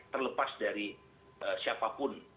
terlepas dari siapapun